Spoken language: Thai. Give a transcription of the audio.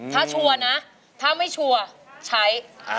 ถ้าชัวร์นะถ้าไม่ชัวร์ใช้